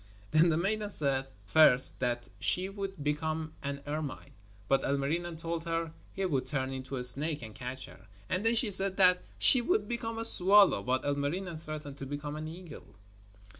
Then the maiden said, first, that she would become an ermine, but Ilmarinen told her he would turn into a snake and catch her; and then she said that she would become a swallow, but Ilmarinen threatened to become an eagle.